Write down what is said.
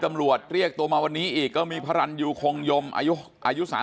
ตำรวจเรียกตัวมาวันนี้อีกก็มีพระรันยูคงยมอายุ๓๐